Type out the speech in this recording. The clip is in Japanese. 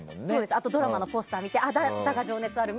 あと、ドラマのポスター見て「だが、情熱はある」